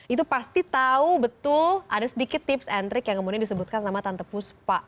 itu pasti tahu betul ada sedikit tips and trick yang kemudian disebutkan sama tante puspa